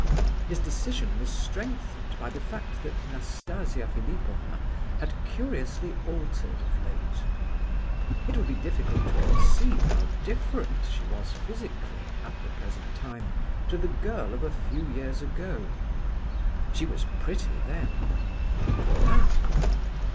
His decision was strengthened by the fact that Nastasia Philipovna had curiously altered of late. It would be difficult to conceive how different she was physically, at the present time, to the girl of a few years ago. She was pretty then... but now!...